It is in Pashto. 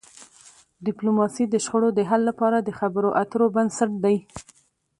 ډيپلوماسي د شخړو د حل لپاره د خبرو اترو بنسټ دی.